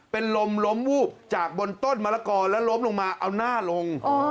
เป็นลมล้มวูบจากบนต้นมะละกอแล้วล้มลงมาเอาหน้าลง